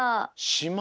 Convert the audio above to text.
しま？